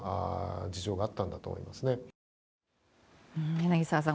柳澤さん